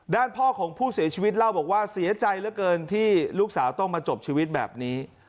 ด้านพ่อของผู้เสียชีวิตเล่าบอกว่าเสียใจเหลือเกินที่ลูกสาวต้องมาจบชีวิตแบบนี้